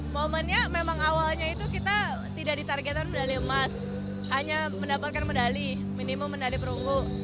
momennya memang awalnya itu kita tidak ditargetkan medali emas hanya mendapatkan medali minimum medali perunggu